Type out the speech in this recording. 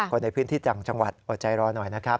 คนในพื้นที่ต่างจังหวัดอดใจรอหน่อยนะครับ